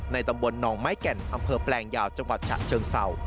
ตำบลหนองไม้แก่นอำเภอแปลงยาวจังหวัดฉะเชิงเศร้า